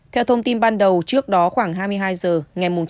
theo thông tin ban đầu trước đó khoảng hai mươi hai h ngày chín ba